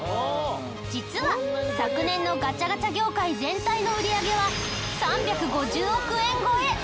実は昨年のガチャガチャ業界全体の売り上げは３５０億円超え！